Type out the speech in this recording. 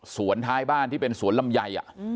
สวนท้ายบ้านที่เป็นสวนลำไยอ่ะ